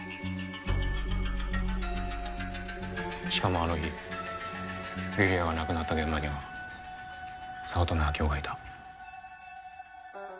しかもあの日梨里杏が亡くなった現場には早乙女秋生がいた。